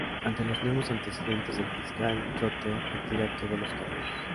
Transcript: Ante los nuevos antecedentes, el fiscal Trotter retira todos los cargos.